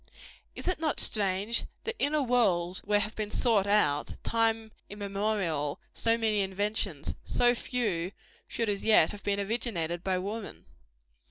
Is it not strange, that in a world where have been sought out time immemorial so many inventions, so few should as yet have been originated by woman?